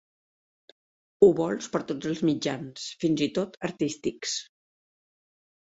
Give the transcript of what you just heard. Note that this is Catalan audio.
Ho vols per tots els mitjans, fins i tot artístics.